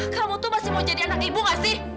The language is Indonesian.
kamu tuh masih mau jadi anak ibu gak sih